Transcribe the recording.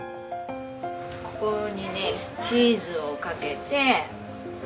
ここにねチーズをかけて。